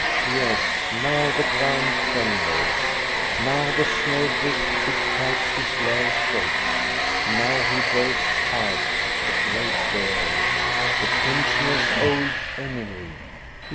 Yes, now the ground trembles ; now the snow drift which hides his lair shakes ; now he bursts out, the great bear, the pensioners' old enemy.